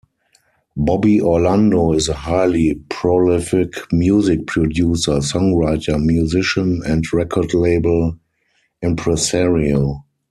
Bobby Orlando is a highly prolific music producer, songwriter, musician, and record label impresario.